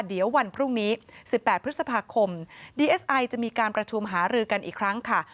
เดี๋ยววันพรุ่งนี้๑๘พฤษภาคมดีเอสไอจะมีการประชุมหารือกันอีกครั้งค่ะ